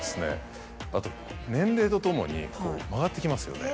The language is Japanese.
あと年齢とともに曲がってきますよね。